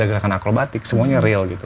gerakan akrobatik semuanya real gitu